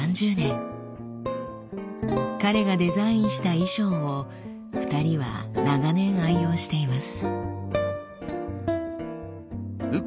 彼がデザインした衣装を２人は長年愛用しています。